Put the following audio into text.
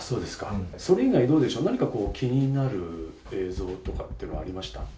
それ以外どうでしょう、何か気になる映像とかってありました？